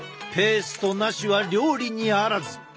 ペーストなしは料理にあらず！